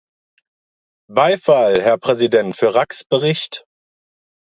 Beifall, Herr Präsident, für Racks Bericht.